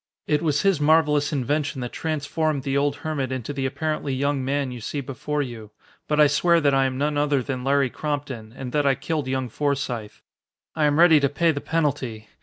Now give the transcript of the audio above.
It was his marvelous invention that transformed the old hermit into the apparently young man you see before you. But I swear that I am none other than Larry Crompton and that I killed young Forsythe. I am ready to pay the penalty.